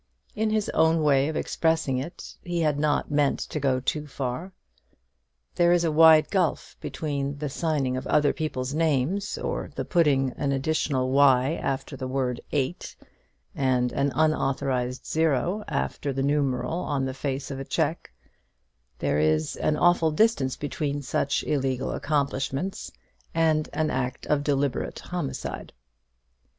In his own way of expressing it, he had not meant to go too far. There is a wide gulf between the signing of other people's names, or the putting an additional y after the word eight, and an unauthorized 0 after the numeral on the face of a cheque there is an awful distance between such illegal accomplishments and an act of deliberate homicide.